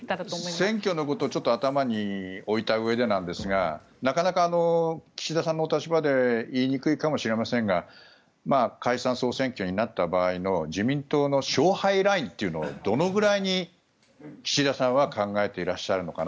選挙のことを頭に置いたうえでなんですがなかなか岸田さんのお立場で言いにくいかもしれませんが解散・総選挙になった場合の自民党の勝敗ラインというのをどのくらいに岸田さんは考えていらっしゃるのかな